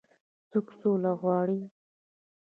څوک سوله غواړي.